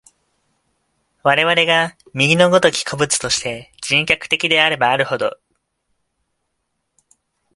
我々が右の如き個物として、人格的であればあるほど、